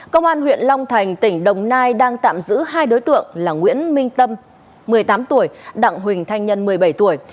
công an huyện long thành tỉnh đồng nai đang tạm giữ hai đối tượng là nguyễn minh tâm một mươi tám tuổi đặng huỳnh thanh nhân một mươi bảy tuổi